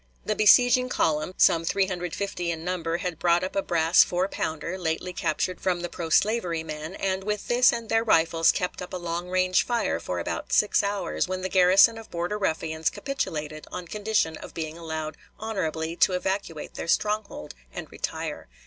The besieging column, some 350 in number, had brought up a brass four pounder, lately captured from the pro slavery men, and with this and their rifles kept up a long range fire for about six hours, when the garrison of Border Ruffians capitulated on condition of being allowed "honorably" to evacuate their stronghold and retire.